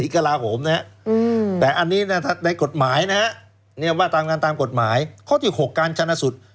ก็นั่นแหล่งสิครับ